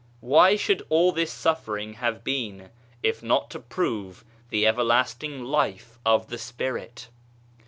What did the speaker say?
Why should all this suffering have been, if not to prove the everlasting life of the Spirit